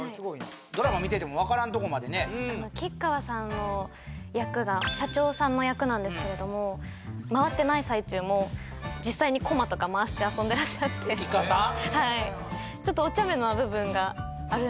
ドラマ見ててもわからんとこまでね吉川さんの役が社長さんの役なんですけれども回ってない最中も実際にコマとか回して遊んでらっしゃって吉川さん？